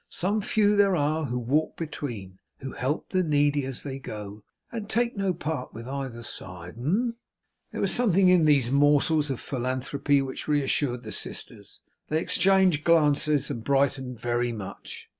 Some few there are who walk between; who help the needy as they go; and take no part with either side. Umph!' There was something in these morsels of philanthropy which reassured the sisters. They exchanged glances, and brightened very much.